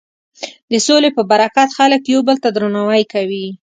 د سولې په برکت خلک یو بل ته درناوی کوي.